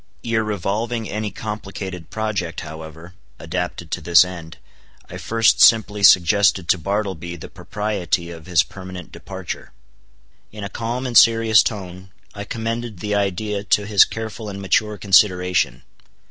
Ere revolving any complicated project, however, adapted to this end, I first simply suggested to Bartleby the propriety of his permanent departure. In a calm and serious tone, I commended the idea to his careful and mature consideration.